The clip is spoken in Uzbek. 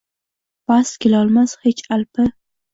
Bas kelolmas hech alpi